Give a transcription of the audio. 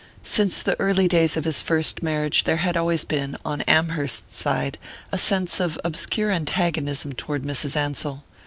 Since the early days of his first marriage there had always been, on Amherst's side, a sense of obscure antagonism toward Mrs. Ansell.